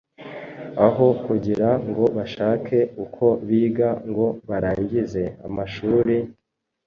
Aho kugira ngo bashake uko biga ngo barangize amashuri,